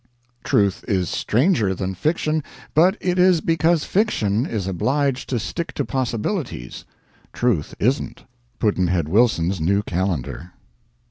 Truth is stranger than fiction, but it is because Fiction is obliged to stick to possibilities; Truth isn't. Pudd'nhead Wilson's New Calendar.